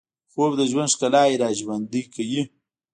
خوب د ژوند ښکلاوې راژوندۍ کوي